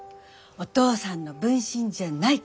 お父さんの分身じゃない！」